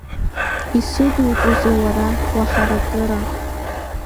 Исыдуҵозеи, уара уаҳаракыра?